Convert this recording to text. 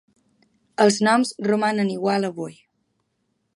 Els noms romanen igual avui.